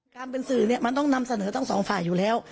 การเป็นสื่อเนี่ยมันต้องนำเสนอทั้งสองฝ่ายอยู่แล้ว